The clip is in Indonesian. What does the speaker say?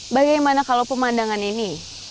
bagaimana kalau pemandangan ini